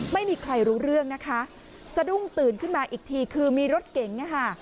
ไม่มีใครรู้เรื่องนะคะสะดุ้งตื่นขึ้นมาอีกทีคือมีรถเก๋งนะคะ